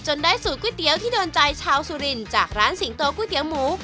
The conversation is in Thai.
ได้สูตรก๋วยเตี๋ยวที่โดนใจชาวสุรินจากร้านสิงโตก๋วยเตี๋ยวหมู